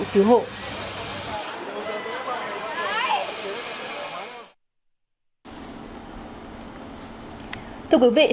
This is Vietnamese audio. thưa quý vị hình thức thanh toán không dùng tiền mặt ngày